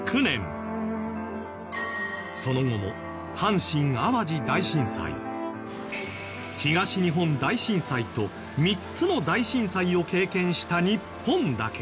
その後も阪神・淡路大震災東日本大震災と３つの大震災を経験した日本だけど。